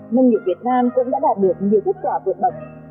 nông nghiệp việt nam cũng đã đạt được nhiều kết quả vượt bậc